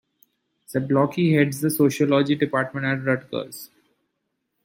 Zablocki heads the Sociology department at Rutgers.